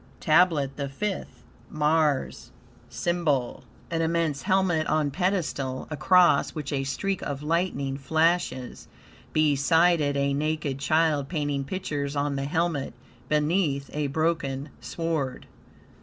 TABLET THE FIFTH Mars SYMBOL An immense helmet on pedestal, across which a streak of lightning flashes; beside it a naked child painting pictures on the helmet; beneath, a broken sword.